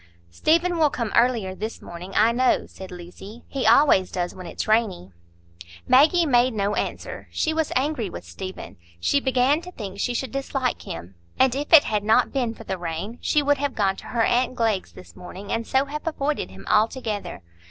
"Stephen will come earlier this morning, I know," said Lucy; "he always does when it's rainy." Maggie made no answer. She was angry with Stephen; she began to think she should dislike him; and if it had not been for the rain, she would have gone to her aunt Glegg's this morning, and so have avoided him altogether.